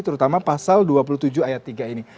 terutama pasal dua puluh tujuh ayat tiga ini